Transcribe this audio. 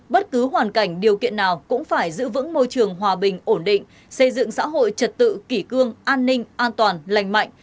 bất cứ hoàn cảnh điều kiện nào cũng phải giữ vững môi trường hòa bình ổn định xây dựng xã hội trật tự kỷ cương an ninh an toàn lành mạnh